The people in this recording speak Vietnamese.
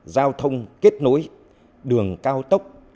giao thông kết nối đường cao tốc